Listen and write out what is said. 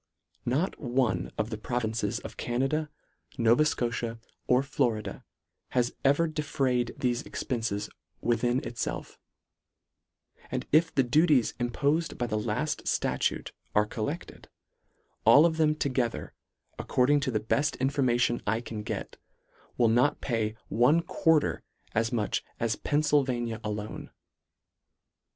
Not one of the provinces of Canada, Nova Scotia, or Florida, has ever defrayed thefe expences within itfelf : And if the duties im pofed by the laft ftatute are collected, all of them together, according to the beft in formation I can get, will not pay one quar ter as much as Pennfylvania alone.